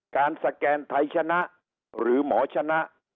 สแกนไทยชนะหรือหมอชนะ